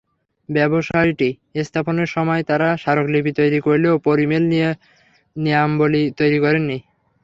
ব্যবসায়টি স্থাপনের সময় তাঁরা স্মারকলিপি তৈরি করলেও পরিমেল নিয়মাবলি তৈরি করেননি।